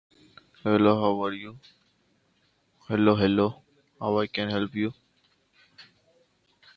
The side was captained by Suzie Bates and coached by Nicholas Denning.